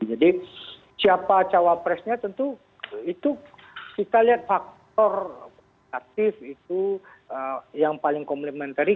jadi siapa cawapresnya tentu itu kita lihat faktor aktif itu yang paling komplementari